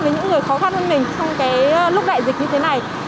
với những người khó khăn hơn mình trong cái lúc đại dịch như thế này